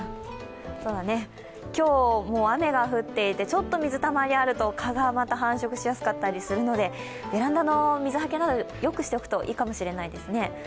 今日、もう雨が降っていてちょっと水たまりがあると蚊がまた繁殖しやすかったりするので、ベランダの水はけなど、よくしておくといいかもしれないですね。